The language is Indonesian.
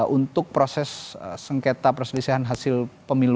untuk proses sengketa perselisihan hasil pemilu